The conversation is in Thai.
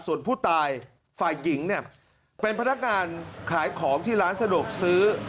ส่วนผู้ตายฝ่ายหญิงเนี่ยเป็นพนักงานขายของที่ร้านสะดวกซื้อ